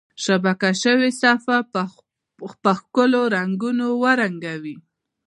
شبکه شوي صفحه په ښکلي رنګونو ورنګوئ.